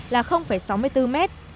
là sáu mươi bốn mét